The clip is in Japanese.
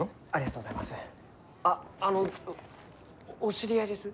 あっあのお知り合いです？